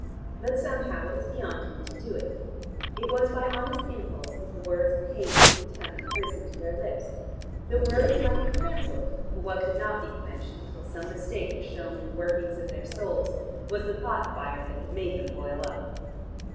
But somehow it was beyond him to do it. It was by honest impulse that the words of hate and contempt had risen to their lips; the words might be canceled, but what could not be quenched, until some mistake was shown in the workings of their souls, was the thought fire that had made them boil up.